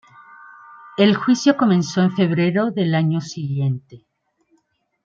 El juicio comenzó en febrero del año siguiente.